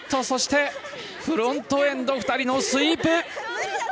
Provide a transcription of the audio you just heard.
そしてフロントエンド２人のスイープ。